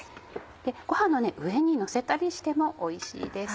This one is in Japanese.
ご飯の上にのせたりしてもおいしいです。